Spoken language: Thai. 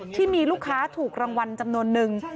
ที่มีลูกค้าถูกรางวัลจำนวนนึง